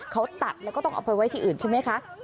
เขาตัดแล้วก็ต้องเอาไปไว้ที่อื่นใช่ไหมคะ